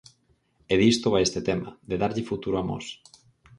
E disto vai este tema, de darlle futuro a Mos.